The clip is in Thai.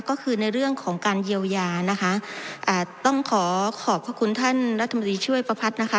ก็คือในเรื่องของการเยียวยานะคะอ่าต้องขอขอบพระคุณท่านรัฐมนตรีช่วยประพัทธ์นะคะ